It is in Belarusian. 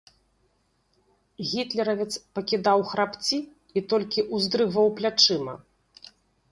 Гітлеравец пакідаў храпці і толькі ўздрыгваў плячыма.